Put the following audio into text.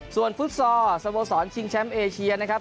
ส่วนฟุตซอลสโมสรชิงแชมป์เอเชียนะครับ